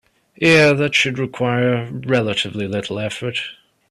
Yeah, that should require relatively little effort.